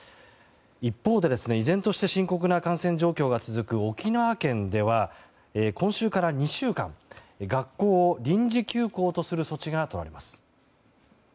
一方で、依然として深刻な感染状況が続く沖縄県では今週から２週間学校を臨時休校とする措置が取られます。